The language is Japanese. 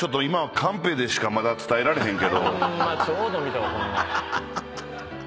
ホンマちょうど見たわこの前。